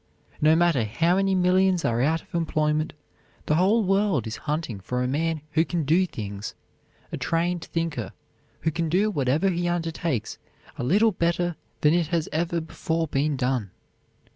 No matter how many millions are out of employment, the whole world is hunting for a man who can do things; a trained thinker who can do whatever he undertakes a little better than it has ever before been done.